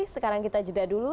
sekarang kita jeda dulu